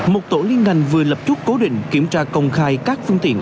một tổ liên ngành vừa lập chốt cố định kiểm tra công khai các phương tiện